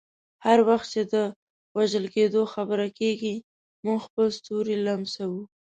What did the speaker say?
هر وخت چې د وژل کیدو خبره کیږي، موږ خپل ستوري لمسوو.